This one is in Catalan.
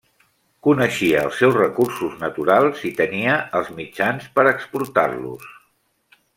Coneixia els seus recursos naturals i tenia els mitjans per exportar-los.